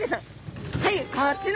はいこちら！